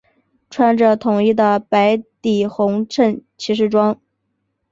穿着统一的白底红衬骑士装。